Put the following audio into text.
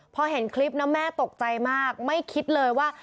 พอเห็นคลิปนะแม่ตกใจมากไม่คิดเลยว่า